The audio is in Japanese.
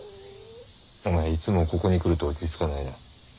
お前いつもここに来ると落ちつかないな。